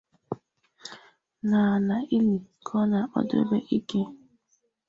N'ala ili ka ọ na-akpdobe ike